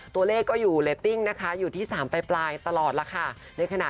ตัวเลขก็อยู่เรตติ้งนะคะอยู่ที่๓ปลายตลอดแล้วค่ะ